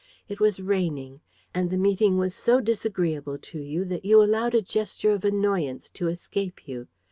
It was raining and the meeting was so disagreeable to you that you allowed a gesture of annoyance to escape you.